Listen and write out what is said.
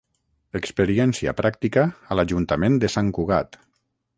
Experiència pràctica a l'Ajuntament de Sant Cugat.